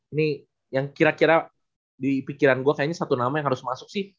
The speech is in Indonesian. ini yang kira kira di pikiran gue kayaknya satu nama yang harus masuk sih